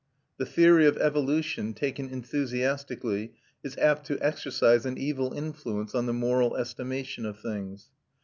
The theory of evolution, taken enthusiastically, is apt to exercise an evil influence on the moral estimation of things.